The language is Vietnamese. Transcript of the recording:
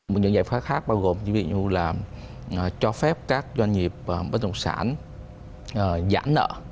một những giải pháp khác bao gồm ví dụ là cho phép các doanh nghiệp bất đồng sản giãn nợ